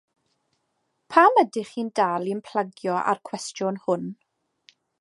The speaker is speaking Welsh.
Pam ydych chi'n dal i'm plagio â'r cwestiwn hwn?